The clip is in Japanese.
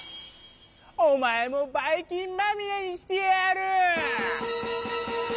おまえもバイきんまみれにしてやる！